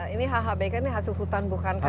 ini hbk ini hasil hutan bukan kayu